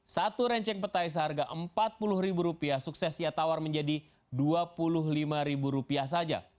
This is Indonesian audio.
satu renceng petai seharga rp empat puluh sukses ia tawar menjadi rp dua puluh lima saja